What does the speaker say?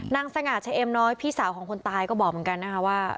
สง่าเฉเอ็มน้อยพี่สาวของคนตายก็บอกเหมือนกันนะคะว่า